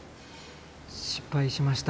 失敗しました。